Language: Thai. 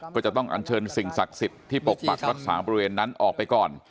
ก็จะต้องอันเชิญสิ่งศักดิ์สิทธิ์ที่ปกปักรักษาบริเวณนั้นออกไปก่อน